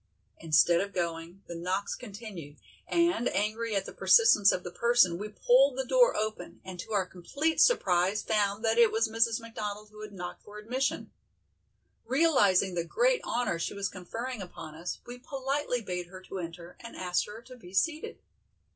Instead of going, the knocks continued, and angry at the persistence of the person, we pulled the door open, and to our complete surprise found that it was Mrs. McDonald who had knocked for admission. Realizing the great honor she was conferring upon us, we politely bade her to enter and asked her to be seated.